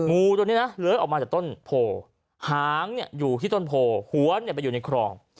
งูตัวเนี้ยน่ะเหลือออกมาจากต้นโผหางเนี้ยอยู่ที่ต้นโผหัวเนี้ยเป็นอยู่ในครอง